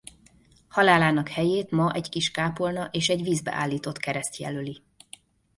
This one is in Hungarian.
Halálának helyét ma egy kis kápolna és egy vízbe állított kereszt jelöli.